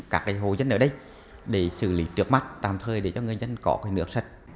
các hồ dân ở đây để xử lý trước mắt tạm thời để cho người dân có nước sạch